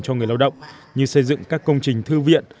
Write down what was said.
cho người lao động như xây dựng các công trình thư viện